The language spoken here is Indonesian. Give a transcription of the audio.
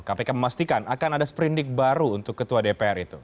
kpk memastikan akan ada seperindik baru untuk ketua dpr itu